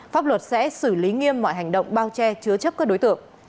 pháp luật sẽ xử lý nghiêm mọi hành động bao che chứa chấp các đối tượng